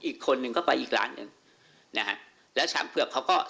อีกคนนึงก็ไปอีกร้านหนึ่งนะฮะแล้วชามเผือกเขาก็